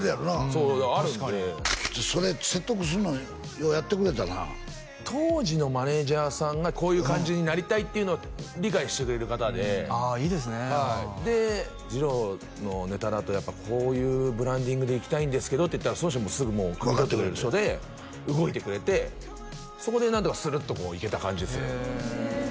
そうあるんでそれ説得するのにようやってくれたな当時のマネージャーさんがこういう感じになりたいっていうのを理解してくれる方でああいいですねでじろうのネタだとこういうブランディングでいきたいんですけどって言ったらその人もすぐもうくみ取ってくれる人で動いてくれてそこでなんとかスルッとこういけた感じですね